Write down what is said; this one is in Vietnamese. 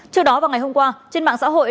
trước đó vào ngày hôm qua trên mạng xã hội